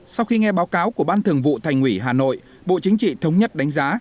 sau khi nghe báo cáo của ban thường vụ thành ủy hà nội bộ chính trị thống nhất đánh giá